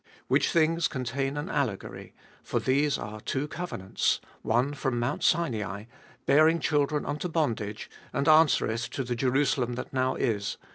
Which things contain an allegory : for these are two covenants ; one from Mount Sinai, bearing children unto bondage, and answereth to the Jerusalem that now is.